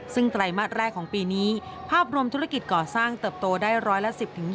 ซึ่งไตรมาสแรกของปีนี้ภาพรวมธุรกิจก่อสร้างเติบโตได้ร้อยละ๑๐๒๐